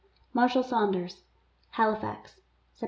Marshall Saunders, Halifax, Sept.